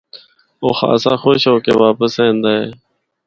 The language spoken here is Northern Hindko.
او خاصا خوش ہو کے واپس ایندا اے۔